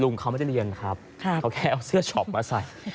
เขาไม่ได้เรียนครับเขาแค่เอาเสื้อช็อปมาใส่